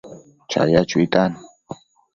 chaya chuitan